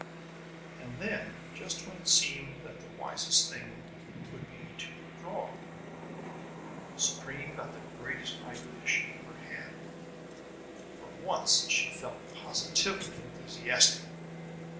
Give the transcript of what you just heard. And then, just when it seemed that the wisest thing would be to withdraw, Supreme got the greatest idea she had ever had. For once she felt positively enthusiastic.